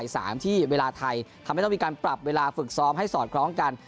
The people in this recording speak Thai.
สามที่เวลาไทยทำให้ต้องมีการปรับเวลาฝึกซ้อมให้สอดคล้องกัน